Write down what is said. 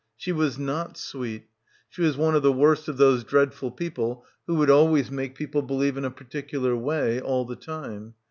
She was not sweet. She was one of the worst of those dreadful people who would always make people believe in a particular way, all the time.